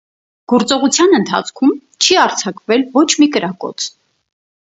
Գործողության ընթացքում չի արձակվել ոչ մի կրակոց։